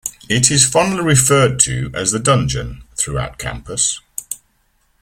It is fondly referred to as "The Dungeon" throughout campus.